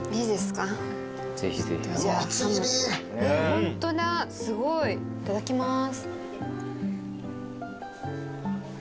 ホントだすごいいただきます。